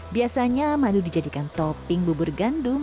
biasanya madu dijadikan topping bubur gandum